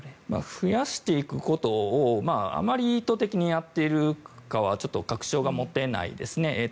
増やしていくことをあまり意図的にやっているかは確証が持てないですね。